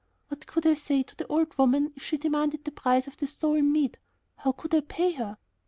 What could I say to the old woman if she demanded the price of the stolen meat? How could I pay her?